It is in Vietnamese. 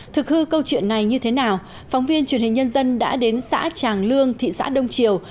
thực hư câu chuyện này như thế nào phóng viên truyền hình nhân dân đã đến xã tràng lương thị xã đông triều